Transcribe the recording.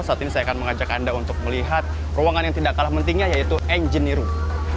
saat ini saya akan mengajak anda untuk melihat ruangan yang tidak kalah pentingnya yaitu engine room